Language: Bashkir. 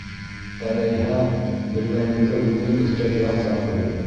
Әләйһә, белгәнеңде үҙең өҫтәп яҙ ҙа ҡуй.